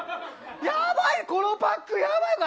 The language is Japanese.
やばい、このパック、やばいな。